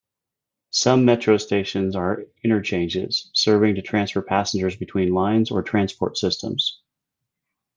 Some metro stations are interchanges, serving to transfer passengers between lines or transport systems.